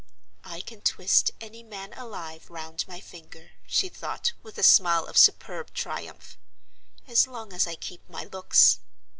"I can twist any man alive round my finger," she thought, with a smile of superb triumph, "as long as I keep my looks!